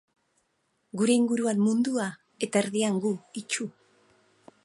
Gure inguruan, mundua, eta erdian gu, itsu.